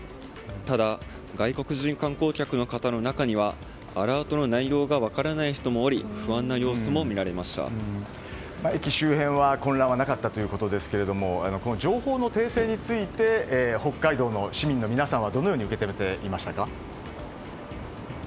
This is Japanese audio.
ただ、外国人観光客の中にはアラートの内容が分からない人もおり駅周辺は混乱はなかったということですが情報の訂正について北海道の市民の皆さんはどのように受け止めていましたか。